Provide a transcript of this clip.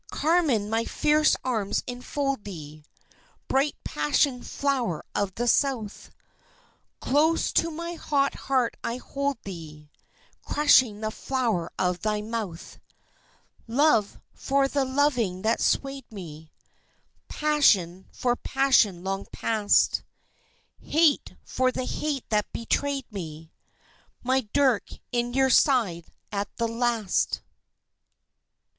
Carmen, my fierce arms enfold thee, Bright passion flower of the South, Close to my hot heart I hold thee, Crushing the flower of thy mouth. Love for the loving that swayed me, Passion for passion long past Hate for the hate that betrayed me ... My dirk in your side at the last!